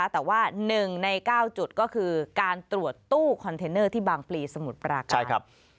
แต่ว่า๑ใน๙จุดก็คือการตรวจตู้คอนเทนเนอร์ที่บางปลีสมุทรปราการ